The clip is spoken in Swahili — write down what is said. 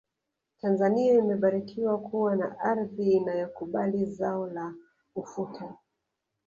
tanzania imebarikiwa kuwa na ardhi inayokubali zao la ufuta